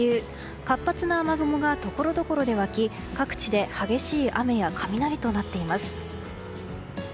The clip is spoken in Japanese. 活発な雨雲がところどころで湧き各地で激しい雨や雷となっています。